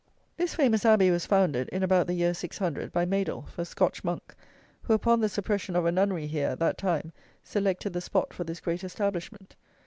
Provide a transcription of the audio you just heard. This famous Abbey was founded, in about the year 600, by Maidulf, a Scotch Monk, who upon the suppression of a Nunnery here at that time selected the spot for this great establishment.